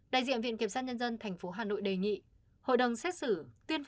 đại diện viện kiểm soát nhân dân tp hà nội đề nghị